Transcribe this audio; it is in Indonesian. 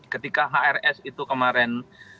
ketika hrs itu kemarin